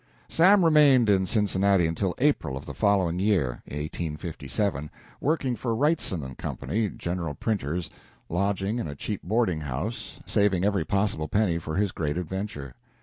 Sam remained in Cincinnati until April of the following year, 1857, working for Wrightson & Co., general printers, lodging in a cheap boarding house, saving every possible penny for his great adventure.